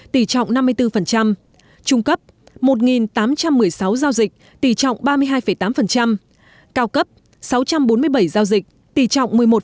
trung cấp một tám trăm một mươi sáu giao dịch cao cấp sáu trăm bốn mươi bảy giao dịch